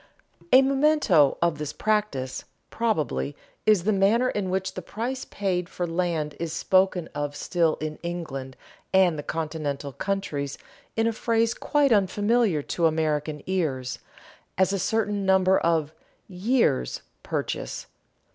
A memento of this practice, probably, is the manner in which the price paid for land is spoken of still in England and the continental countries in a phrase quite unfamiliar to American ears, as a certain number of "years' purchase."